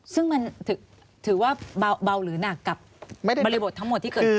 ซึ่งมันถือว่าเบาหรือหนักกับบริบททั้งหมดที่เกิดขึ้น